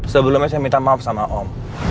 sebelumnya saya minta maaf sama om